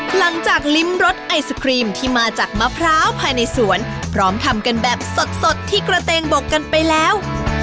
หลังจากลิ้มรสไอศครีมที่มาจากมะพร้าวภายในสวนพร้อมทำกันแบบสดที่กระเตงบกกันไปแล้ว